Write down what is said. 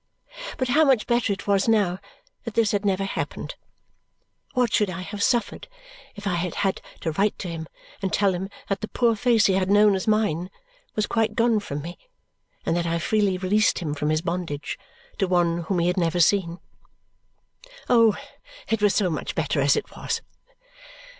But how much better it was now that this had never happened! What should I have suffered if I had had to write to him and tell him that the poor face he had known as mine was quite gone from me and that I freely released him from his bondage to one whom he had never seen! Oh, it was so much better as it was!